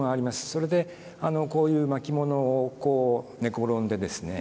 それでこういう巻物を寝転んでですね